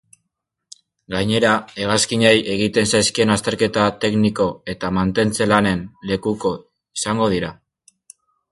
Gainera, hegazkinei egiten zaizkien azterketa tekniko eta mantentze-lanen lekuko izango dira.